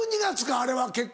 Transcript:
あれは結婚。